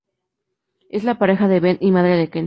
Es la pareja de Ben y madre de Ken.